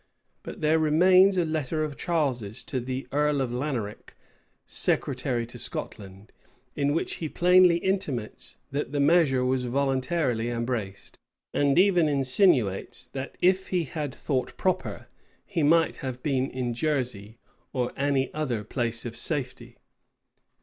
But there remains a letter of Charles's to the earl of Laneric, secretary of Scotland, in which he plainly intimates, that that measure was voluntarily embraced: and even insinuates, that if he had thought proper, he might have been in Jersey, or any other place of safety.